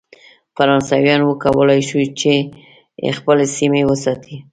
فرانسویانو وکولای شول چې خپلې سیمې وساتي.